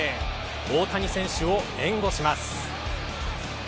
大谷選手を援護します。